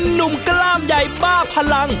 หนุ่มกล้ามใหญ่บ้าพลัง